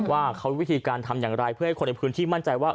ว่าเขาวิธีการทำอย่างไรเพื่อให้คนในพื้นที่มั่นใจว่า